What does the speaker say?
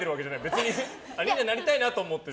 別になりたいなと思って。